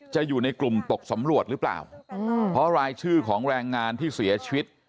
อยู่ในกลุ่มตกสำรวจหรือเปล่าเพราะรายชื่อของแรงงานที่เสียชีวิต